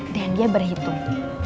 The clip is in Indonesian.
dan dia berhitung